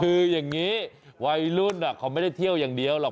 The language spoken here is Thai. คืออย่างนี้วัยรุ่นเขาไม่ได้เที่ยวอย่างเดียวหรอก